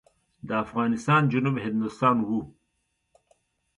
د افغانستان جنوب هندوستان و.